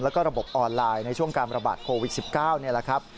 แล้วก็ระบบออนไลน์ในช่วงการระบาดโควิด๑๙นี่แหละครับ